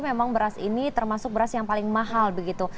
memang beras ini termasuk beras yang paling mahal begitu